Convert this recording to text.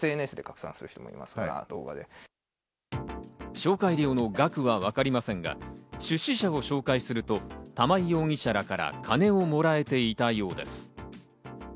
紹介料の額はわかりませんが出資者を紹介すると玉井容疑者らから金をもらえていたようです。